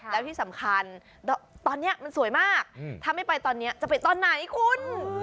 แล้วที่สำคัญตอนนี้มันสวยมากถ้าไม่ไปตอนนี้จะไปตอนไหนคุณ